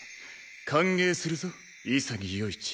歓迎するぞ潔世一。